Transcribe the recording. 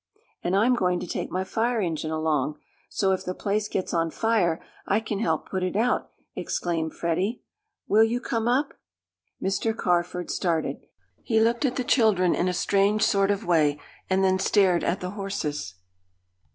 "And I'm going to take my fire engine along, so if the place gets on fire I can help put it out," exclaimed Freddie. "Will you come up?" Mr. Carford started. He looked at the children in a strange sort of way, and then stared at the horses.